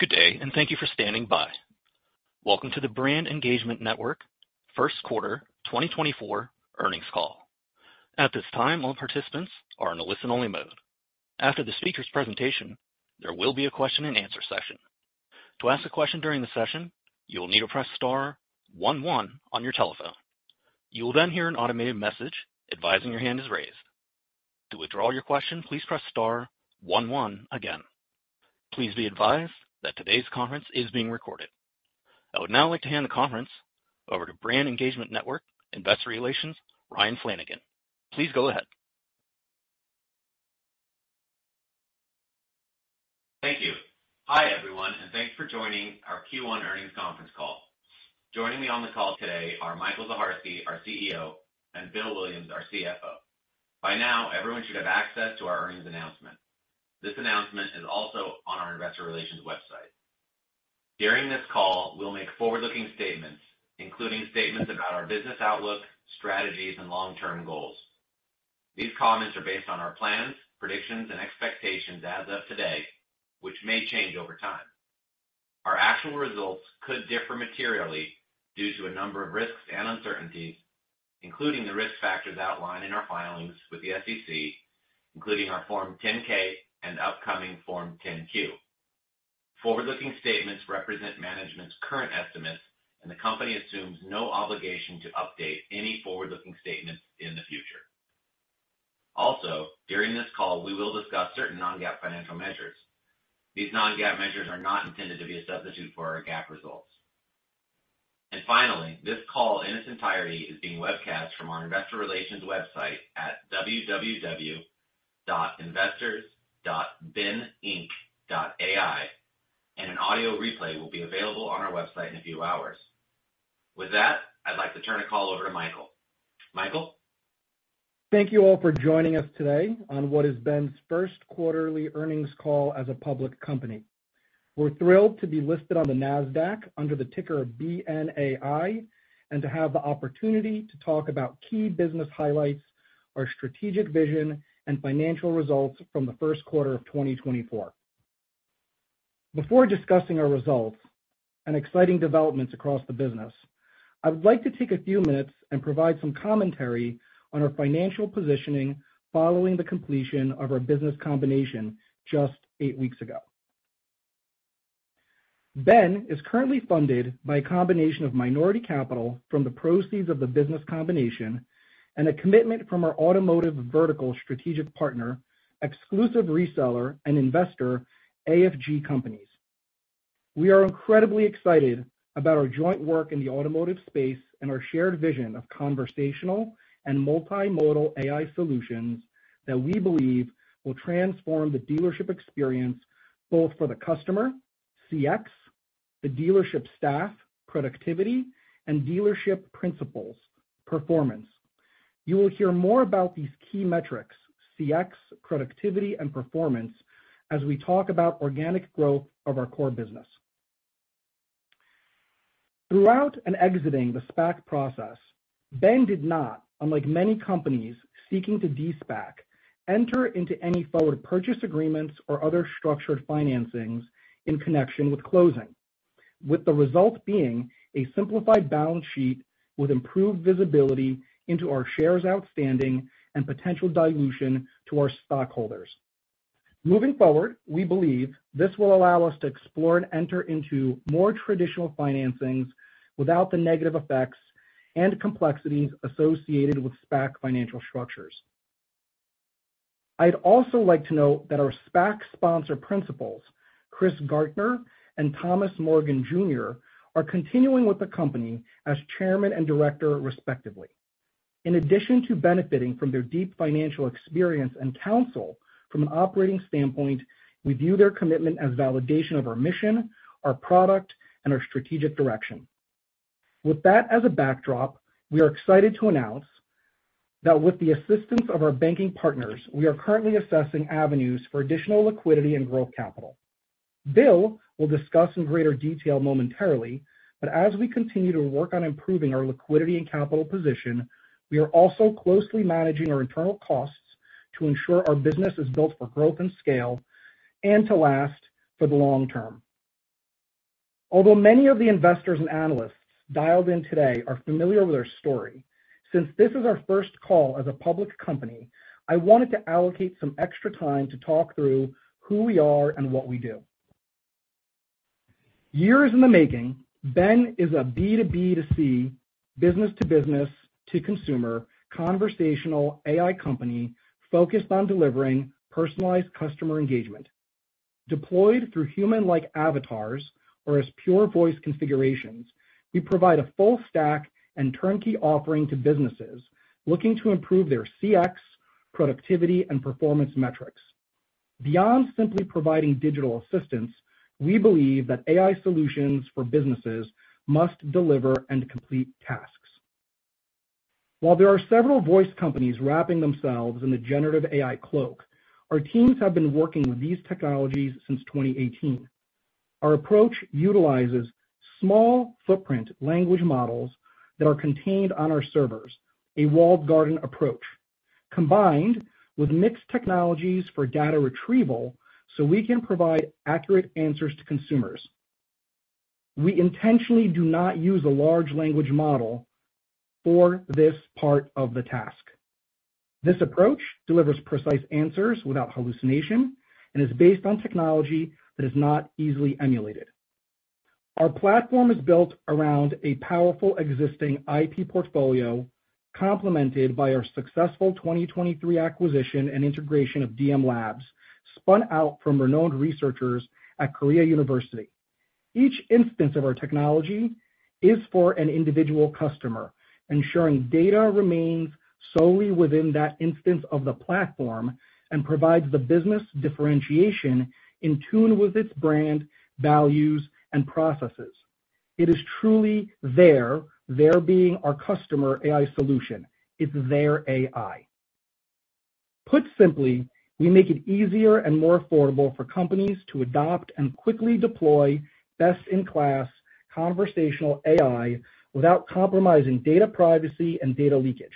Good day, and thank you for standing by. Welcome to the Brand Engagement Network First Quarter 2024 Earnings Call. At this time, all participants are in a listen-only mode. After the speaker's presentation, there will be a question-and-answer session. To ask a question during the session, you will need to press star one one on your telephone. You will then hear an automated message advising your hand is raised. To withdraw your question, please press star one one again. Please be advised that today's conference is being recorded. I would now like to hand the conference over to Brand Engagement Network Investor Relations Ryan Flanagan. Please go ahead. Thank you. Hi everyone, and thanks for joining our Q1 earnings conference call. Joining me on the call today are Michael Zacharski, our CEO, and Bill Williams, our CFO. By now, everyone should have access to our earnings announcement. This announcement is also on our Investor Relations website. During this call, we'll make forward-looking statements, including statements about our business outlook, strategies, and long-term goals. These comments are based on our plans, predictions, and expectations as of today, which may change over time. Our actual results could differ materially due to a number of risks and uncertainties, including the risk factors outlined in our filings with the SEC, including our Form 10-K and upcoming Form 10-Q. Forward-looking statements represent management's current estimates, and the company assumes no obligation to update any forward-looking statements in the future. Also, during this call, we will discuss certain non-GAAP financial measures. These non-GAAP measures are not intended to be a substitute for our GAAP results. Finally, this call in its entirety is being webcast from our Investor Relations website at www.investors.bnai.com, and an audio replay will be available on our website in a few hours. With that, I'd like to turn the call over to Michael. Michael? Thank you all for joining us today on what has been BEN's first quarterly earnings call as a public company. We're thrilled to be listed on the NASDAQ under the ticker BNAI and to have the opportunity to talk about key business highlights, our strategic vision, and financial results from the first quarter of 2024. Before discussing our results and exciting developments across the business, I would like to take a few minutes and provide some commentary on our financial positioning following the completion of our business combination just 8 weeks ago. BEN is currently funded by a combination of minority capital from the proceeds of the business combination and a commitment from our automotive vertical strategic partner, exclusive reseller and investor, AFG Companies. We are incredibly excited about our joint work in the automotive space and our shared vision of conversational and multimodal AI solutions that we believe will transform the dealership experience both for the customer, CX, the dealership staff, productivity, and dealership principals, performance. You will hear more about these key metrics, CX, productivity, and performance, as we talk about organic growth of our core business. Throughout and exiting the SPAC process, BEN did not, unlike many companies seeking to de-SPAC, enter into any forward purchase agreements or other structured financings in connection with closing, with the result being a simplified balance sheet with improved visibility into our shares outstanding and potential dilution to our stockholders. Moving forward, we believe this will allow us to explore and enter into more traditional financings without the negative effects and complexities associated with SPAC financial structures. I'd also like to note that our SPAC sponsor principals, Chris Gaertner and Thomas Morgan Jr., are continuing with the company as chairman and director, respectively. In addition to benefiting from their deep financial experience and counsel from an operating standpoint, we view their commitment as validation of our mission, our product, and our strategic direction. With that as a backdrop, we are excited to announce that with the assistance of our banking partners, we are currently assessing avenues for additional liquidity and growth capital. Bill will discuss in greater detail momentarily, but as we continue to work on improving our liquidity and capital position, we are also closely managing our internal costs to ensure our business is built for growth and scale and to last for the long term. Although many of the investors and analysts dialed in today are familiar with our story, since this is our first call as a public company, I wanted to allocate some extra time to talk through who we are and what we do. Years in the making, BEN is a B2B2C, business-to-business-to-consumer conversational AI company focused on delivering personalized customer engagement. Deployed through human-like avatars or as pure voice configurations, we provide a full stack and turnkey offering to businesses looking to improve their CX, productivity, and performance metrics. Beyond simply providing digital assistance, we believe that AI solutions for businesses must deliver and complete tasks. While there are several voice companies wrapping themselves in the generative AI cloak, our teams have been working with these technologies since 2018. Our approach utilizes small footprint language models that are contained on our servers, a walled garden approach, combined with mixed technologies for data retrieval so we can provide accurate answers to consumers. We intentionally do not use a large language model for this part of the task. This approach delivers precise answers without hallucination and is based on technology that is not easily emulated. Our platform is built around a powerful existing IP portfolio complemented by our successful 2023 acquisition and integration of DM Lab spun out from renowned researchers at Korea University. Each instance of our technology is for an individual customer, ensuring data remains solely within that instance of the platform and provides the business differentiation in tune with its brand, values, and processes. It is truly there, there being our customer AI solution. It's their AI. Put simply, we make it easier and more affordable for companies to adopt and quickly deploy best-in-class conversational AI without compromising data privacy and data leakage.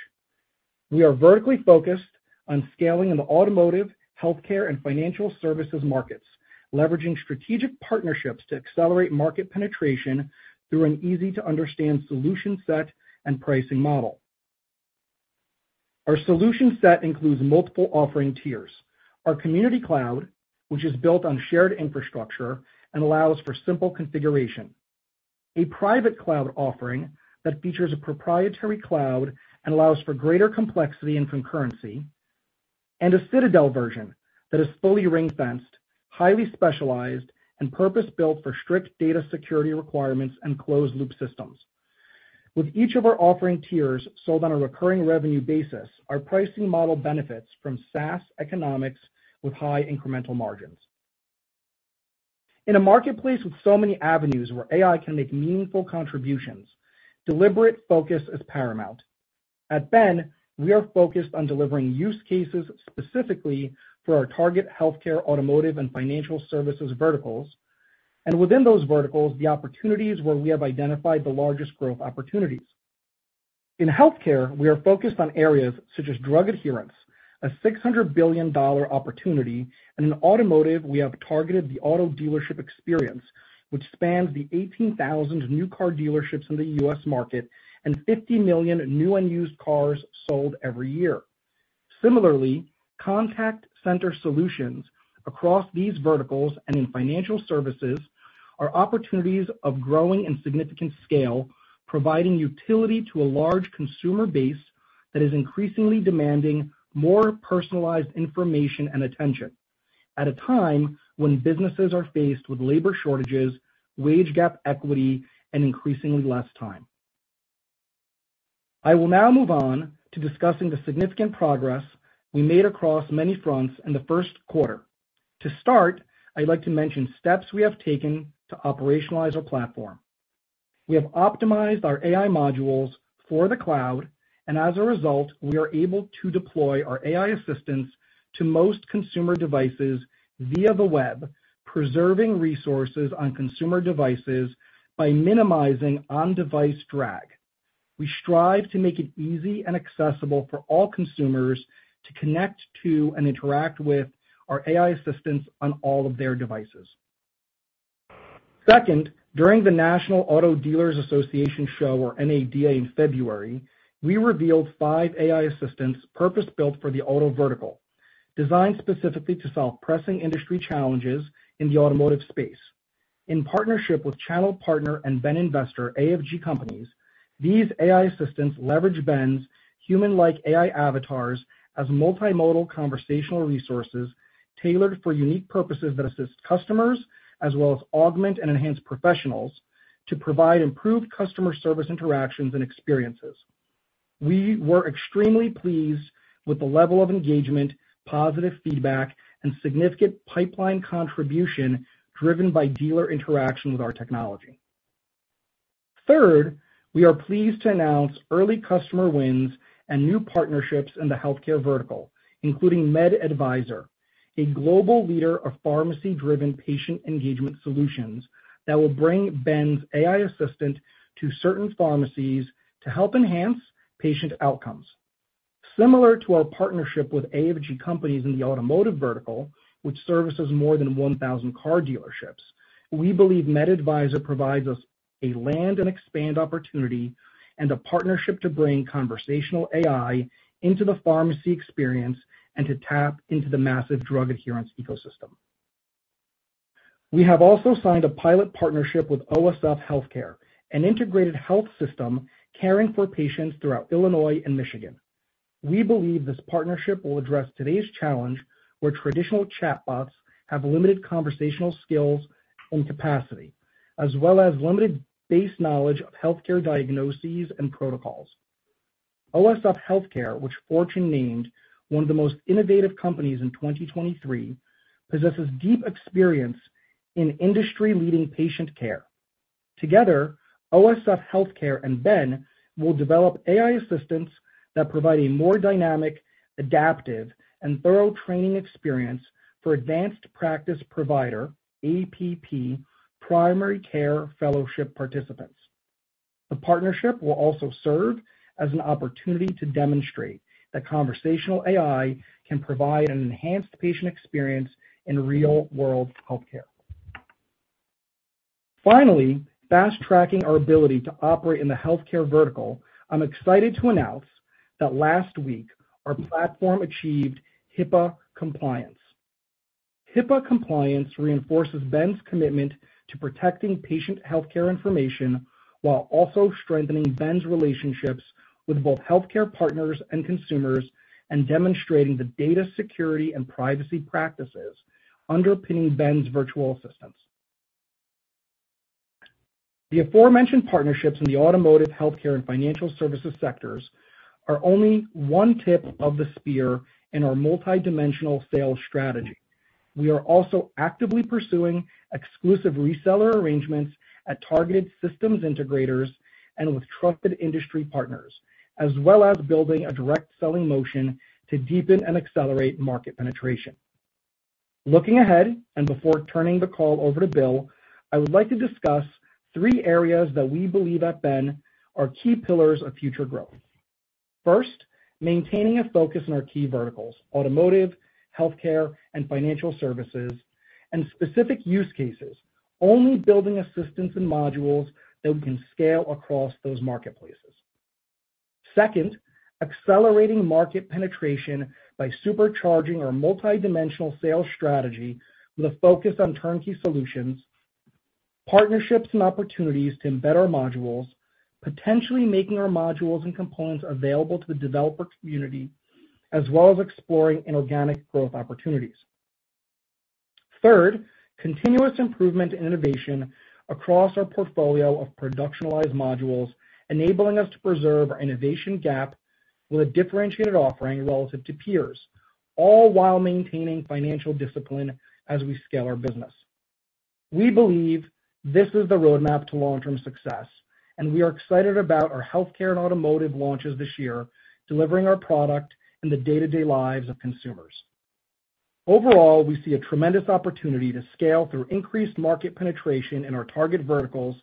We are vertically focused on scaling in the automotive, healthcare, and financial services markets, leveraging strategic partnerships to accelerate market penetration through an easy-to-understand solution set and pricing model. Our solution set includes multiple offering tiers: our community cloud, which is built on shared infrastructure and allows for simple configuration, a private cloud offering that features a proprietary cloud and allows for greater complexity and concurrency, and a Citadel version that is fully ring-fenced, highly specialized, and purpose-built for strict data security requirements and closed-loop systems. With each of our offering tiers sold on a recurring revenue basis, our pricing model benefits from SaaS economics with high incremental margins. In a marketplace with so many avenues where AI can make meaningful contributions, deliberate focus is paramount. At BEN, we are focused on delivering use cases specifically for our target healthcare, automotive, and financial services verticals, and within those verticals, the opportunities where we have identified the largest growth opportunities. In healthcare, we are focused on areas such as drug adherence, a $600 billion opportunity, and in automotive, we have targeted the auto dealership experience, which spans the 18,000 new car dealerships in the U.S. market and 50 million new and used cars sold every year. Similarly, contact center solutions across these verticals and in financial services are opportunities of growing and significant scale, providing utility to a large consumer base that is increasingly demanding more personalized information and attention at a time when businesses are faced with labor shortages, wage gap equity, and increasingly less time. I will now move on to discussing the significant progress we made across many fronts in the first quarter. To start, I'd like to mention steps we have taken to operationalize our platform. We have optimized our AI modules for the cloud, and as a result, we are able to deploy our AI assistants to most consumer devices via the web, preserving resources on consumer devices by minimizing on-device drag. We strive to make it easy and accessible for all consumers to connect to and interact with our AI assistants on all of their devices. Second, during the National Automobile Dealers Association Show, or NADA, in February, we revealed five AI assistants purpose-built for the auto vertical, designed specifically to solve pressing industry challenges in the automotive space. In partnership with channel partner and BEN investor AFG Companies, these AI assistants leverage BEN's human-like AI avatars as multimodal conversational resources tailored for unique purposes that assist customers as well as augment and enhance professionals to provide improved customer service interactions and experiences. We were extremely pleased with the level of engagement, positive feedback, and significant pipeline contribution driven by dealer interaction with our technology. Third, we are pleased to announce early customer wins and new partnerships in the healthcare vertical, including MedAdvisor, a global leader of pharmacy-driven patient engagement solutions that will bring BEN's AI assistant to certain pharmacies to help enhance patient outcomes. Similar to our partnership with AFG Companies in the automotive vertical, which services more than 1,000 car dealerships, we believe MedAdvisor provides us a land-and-expand opportunity and a partnership to bring conversational AI into the pharmacy experience and to tap into the massive drug adherence ecosystem. We have also signed a pilot partnership with OSF HealthCare, an integrated health system caring for patients throughout Illinois and Michigan. We believe this partnership will address today's challenge where traditional chatbots have limited conversational skills and capacity, as well as limited base knowledge of healthcare diagnoses and protocols. OSF HealthCare, which Fortune named one of the most innovative companies in 2023, possesses deep experience in industry-leading patient care. Together, OSF HealthCare and BEN will develop AI assistants that provide a more dynamic, adaptive, and thorough training experience for advanced practice provider, APP, primary care fellowship participants. The partnership will also serve as an opportunity to demonstrate that conversational AI can provide an enhanced patient experience in real-world healthcare. Finally, fast-tracking our ability to operate in the healthcare vertical, I'm excited to announce that last week, our platform achieved HIPAA compliance. HIPAA compliance reinforces BEN's commitment to protecting patient healthcare information while also strengthening BEN's relationships with both healthcare partners and consumers and demonstrating the data security and privacy practices underpinning BEN's virtual assistants. The aforementioned partnerships in the automotive, healthcare, and financial services sectors are only one tip of the spear in our multi-dimensional sales strategy. We are also actively pursuing exclusive reseller arrangements at targeted systems integrators and with trusted industry partners, as well as building a direct selling motion to deepen and accelerate market penetration. Looking ahead and before turning the call over to Bill, I would like to discuss three areas that we believe at BEN are key pillars of future growth. First, maintaining a focus on our key verticals, automotive, healthcare, and financial services, and specific use cases, only building assistance and modules that we can scale across those marketplaces. Second, accelerating market penetration by supercharging our multi-dimensional sales strategy with a focus on turnkey solutions, partnerships and opportunities to embed our modules, potentially making our modules and components available to the developer community, as well as exploring inorganic growth opportunities. Third, continuous improvement and innovation across our portfolio of productionalized modules, enabling us to preserve our innovation gap with a differentiated offering relative to peers, all while maintaining financial discipline as we scale our business. We believe this is the roadmap to long-term success, and we are excited about our healthcare and automotive launches this year delivering our product in the day-to-day lives of consumers. Overall, we see a tremendous opportunity to scale through increased market penetration in our target verticals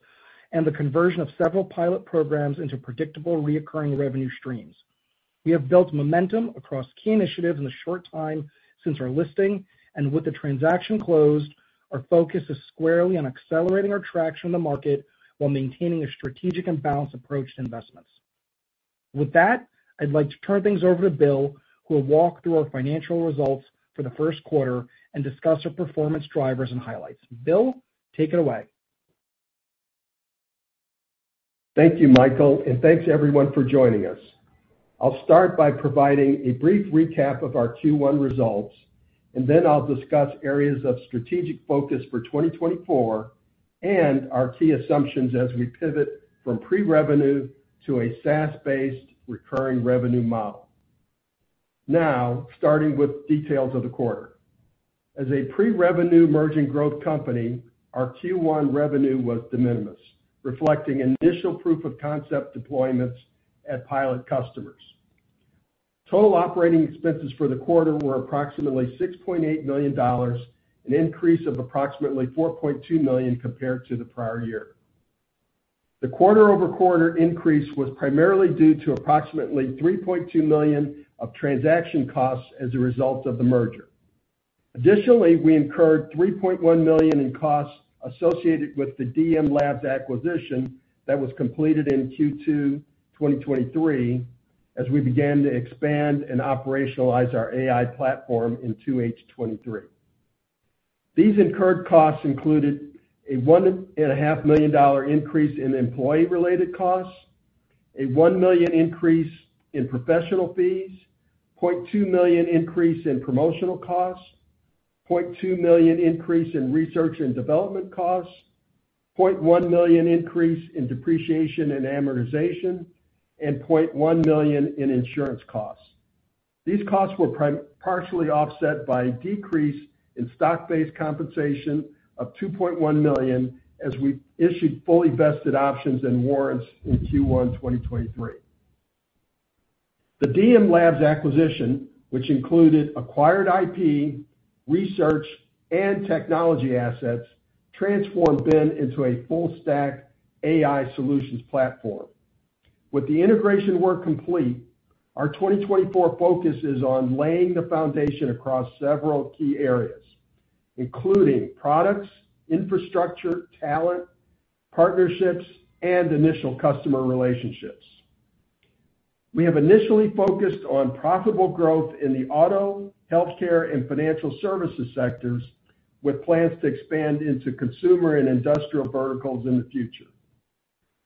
and the conversion of several pilot programs into predictable recurring revenue streams. We have built momentum across key initiatives in the short time since our listing, and with the transaction closed, our focus is squarely on accelerating our traction in the market while maintaining a strategic and balanced approach to investments. With that, I'd like to turn things over to Bill, who will walk through our financial results for the first quarter and discuss our performance drivers and highlights. Bill, take it away. Thank you, Michael, and thanks everyone for joining us. I'll start by providing a brief recap of our Q1 results, and then I'll discuss areas of strategic focus for 2024 and our key assumptions as we pivot from pre-revenue to a SaaS-based recurring revenue model. Now, starting with details of the quarter. As a pre-revenue emerging growth company, our Q1 revenue was de minimis, reflecting initial proof of concept deployments at pilot customers. Total operating expenses for the quarter were approximately $6.8 million, an increase of approximately $4.2 million compared to the prior year. The quarter-over-quarter increase was primarily due to approximately $3.2 million of transaction costs as a result of the merger. Additionally, we incurred $3.1 million in costs associated with the DM Lab acquisition that was completed in Q2 2023 as we began to expand and operationalize our AI platform in 2H23. These incurred costs included a $1.5 million increase in employee-related costs, a $1 million increase in professional fees, a $0.2 million increase in promotional costs, a $0.2 million increase in research and development costs, a $0.1 million increase in depreciation and amortization, and a $0.1 million in insurance costs. These costs were partially offset by a decrease in stock-based compensation of $2.1 million as we issued fully vested options and warrants in Q1 2023. The DM Lab acquisition, which included acquired IP, research, and technology assets, transformed BEN into a full-stack AI solutions platform. With the integration work complete, our 2024 focus is on laying the foundation across several key areas, including products, infrastructure, talent, partnerships, and initial customer relationships. We have initially focused on profitable growth in the auto, healthcare, and financial services sectors with plans to expand into consumer and industrial verticals in the future.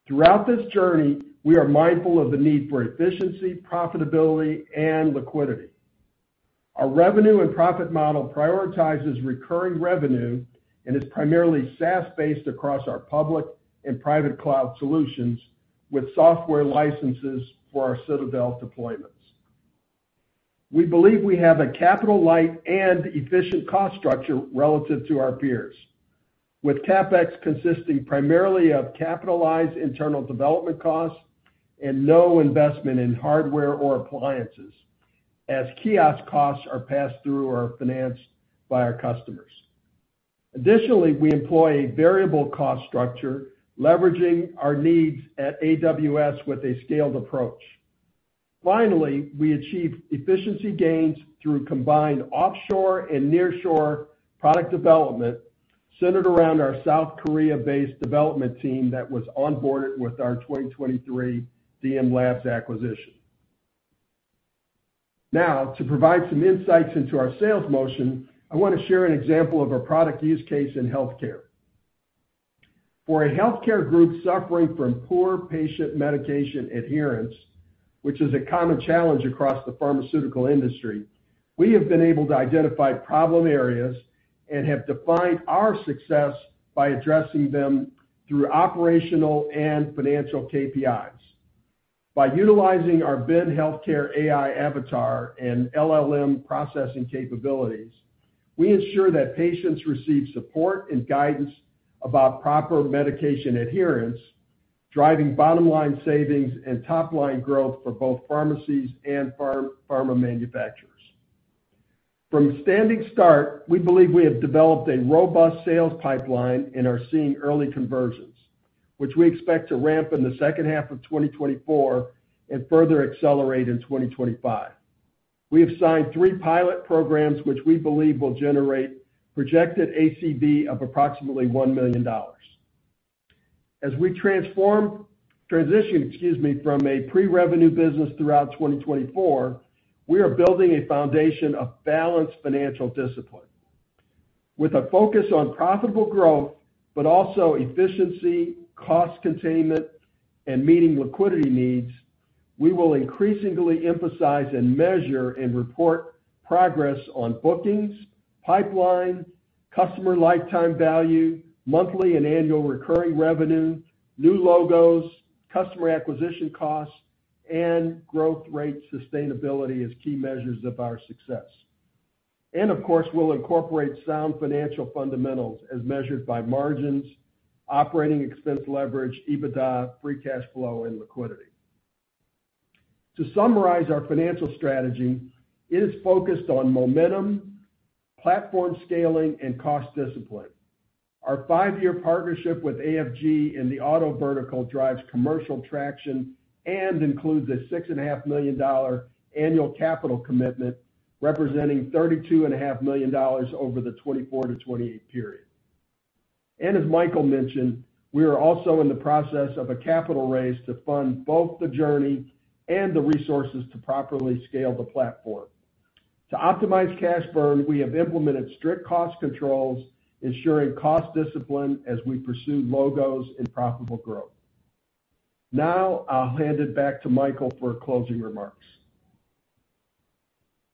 Throughout this journey, we are mindful of the need for efficiency, profitability, and liquidity. Our revenue and profit model prioritizes recurring revenue and is primarily SaaS-based across our public and private cloud solutions with software licenses for our Citadel deployments. We believe we have a capital-light and efficient cost structure relative to our peers, with CapEx consisting primarily of capitalized internal development costs and no investment in hardware or appliances as kiosk costs are passed through or financed by our customers. Additionally, we employ a variable cost structure, leveraging our needs at AWS with a scaled approach. Finally, we achieve efficiency gains through combined offshore and nearshore product development centered around our South Korea-based development team that was onboarded with our 2023 DM Lab acquisition. Now, to provide some insights into our sales motion, I want to share an example of a product use case in healthcare. For a healthcare group suffering from poor patient medication adherence, which is a common challenge across the pharmaceutical industry, we have been able to identify problem areas and have defined our success by addressing them through operational and financial KPIs. By utilizing our BEN Healthcare AI avatar and LLM processing capabilities, we ensure that patients receive support and guidance about proper medication adherence, driving bottom-line savings and top-line growth for both pharmacies and pharma manufacturers. From a standing start, we believe we have developed a robust sales pipeline and are seeing early conversions, which we expect to ramp in the second half of 2024 and further accelerate in 2025. We have signed three pilot programs, which we believe will generate projected ACV of approximately $1 million. As we transition from a pre-revenue business throughout 2024, we are building a foundation of balanced financial discipline. With a focus on profitable growth but also efficiency, cost containment, and meeting liquidity needs, we will increasingly emphasize and measure and report progress on bookings, pipeline, customer lifetime value, monthly and annual recurring revenue, new logos, customer acquisition costs, and growth rate sustainability as key measures of our success. And of course, we'll incorporate sound financial fundamentals as measured by margins, operating expense leverage, EBITDA, free cash flow, and liquidity. To summarize our financial strategy, it is focused on momentum, platform scaling, and cost discipline. Our five-year partnership with AFG in the auto vertical drives commercial traction and includes a $6.5 million annual capital commitment representing $32.5 million over the 2024-2028 period. And as Michael mentioned, we are also in the process of a capital raise to fund both the journey and the resources to properly scale the platform. To optimize cash burn, we have implemented strict cost controls, ensuring cost discipline as we pursue logos and profitable growth. Now, I'll hand it back to Michael for closing remarks.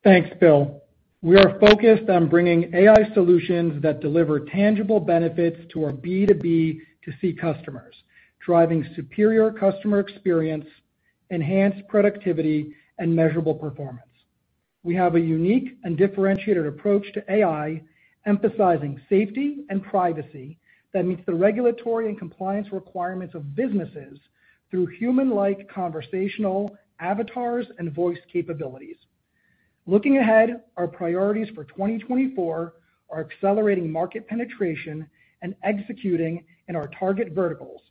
Thanks, Bill. We are focused on bringing AI solutions that deliver tangible benefits to our B2B2C customers, driving superior customer experience, enhanced productivity, and measurable performance. We have a unique and differentiated approach to AI, emphasizing safety and privacy that meets the regulatory and compliance requirements of businesses through human-like conversational avatars and voice capabilities. Looking ahead, our priorities for 2024 are accelerating market penetration and executing in our target verticals,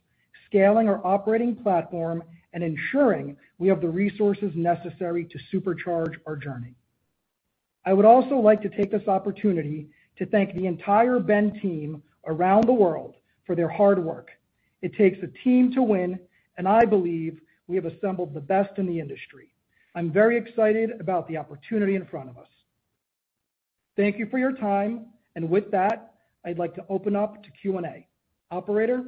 scaling our operating platform, and ensuring we have the resources necessary to supercharge our journey. I would also like to take this opportunity to thank the entire BEN team around the world for their hard work. It takes a team to win, and I believe we have assembled the best in the industry. I'm very excited about the opportunity in front of us. Thank you for your time, and with that, I'd like to open up to Q&A. Operator.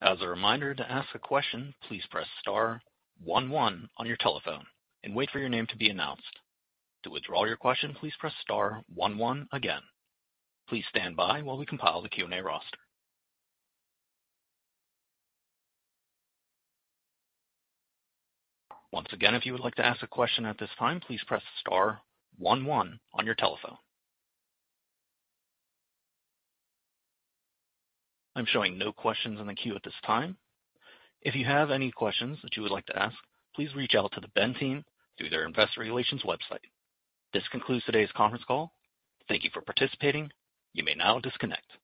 As a reminder, to ask a question, please press star one one on your telephone and wait for your name to be announced. To withdraw your question, please press star one one again. Please stand by while we compile the Q&A roster. Once again, if you would like to ask a question at this time, please press star one one on your telephone. I'm showing no questions in the queue at this time. If you have any questions that you would like to ask, please reach out to the BEN team through their investor relations website. This concludes today's conference call. Thank you for participating. You may now disconnect.